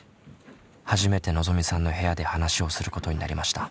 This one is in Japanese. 初めてのぞみさんの部屋で話をすることになりました。